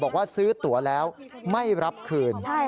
บอกว่าซื้อตัวแล้วไม่รับคืน